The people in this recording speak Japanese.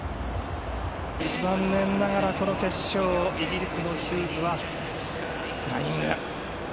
残念ながらこの決勝、イギリスのヒューズはフライング。